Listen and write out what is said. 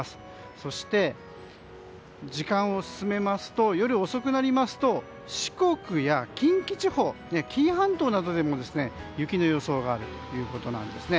そして、時間を進めますと夜遅くなりますと四国や近畿地方紀伊半島などでも雪の予想があるということです。